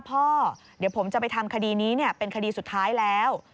พ่อเดี๋ยวผมจะไปทำคดีนี้เป็นคดีสุดท้ายแล้ว